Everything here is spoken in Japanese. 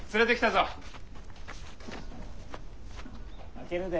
開けるで。